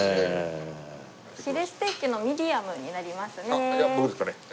あっじゃあ僕ですかね。